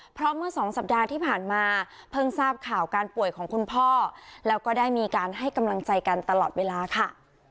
เพราะเมื่อสองสัปดาห์ที่ผ่านมาเพิ่งทราบข่าวการป่วยของคุณพ่อแล้วก็ได้มีการให้กำลังใจกันตลอดเวลาค่ะ